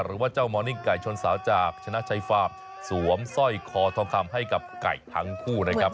หรือว่าเจ้ามอนิ่งไก่ชนสาวจากชนะชัยฟาร์มสวมสร้อยคอทองคำให้กับไก่ทั้งคู่นะครับ